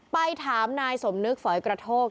ไปถามนายสมนึกฝอยกระโทก